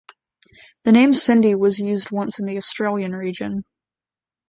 The name Cindy was used once in the Australian region.